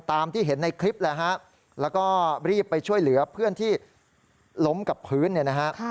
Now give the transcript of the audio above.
ตามที่เห็นในคลิปแหละฮะแล้วก็รีบไปช่วยเหลือเพื่อนที่ล้มกับพื้นเนี่ยนะฮะ